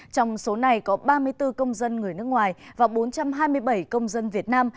trong số này có ba mươi bốn công dân người nước ngoài và bốn trăm hai mươi bảy công dân việt nam